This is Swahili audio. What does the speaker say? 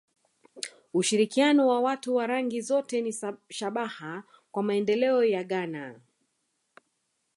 Ushirikiano wa watu wa rangi zote ni shabaha kwa maendeleo ya Ghana